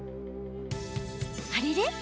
あれれ？